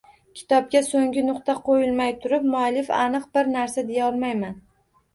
Kitobga so‘nggi nuqta qo‘yilmay turib, muallif aniq bir narsa deya olmaydi.